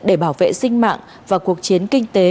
để bảo vệ sinh mạng và cuộc chiến kinh tế